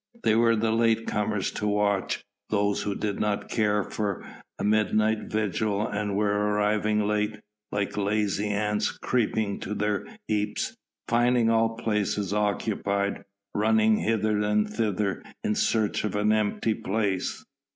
There were the late comers to watch, those who had not cared for a midnight vigil and were arriving late, like lazy ants creeping to their heaps, finding all places occupied, running hither and thither in search of an empty place.